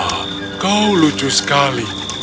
ah kau lucu sekali